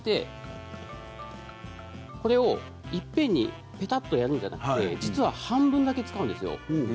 これをいっぺんにぺたっとやるのではなくて実は半分だけ使うんですよ。